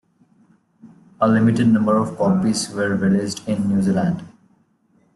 A limited number of copies were released in New Zealand.